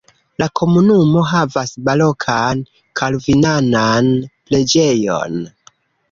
La komunumo havas barokan kalvinanan preĝejon.